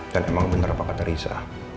dan emang bener apa kata risa